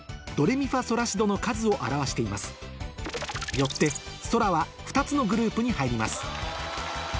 よって「そら」は２つのグループに入ります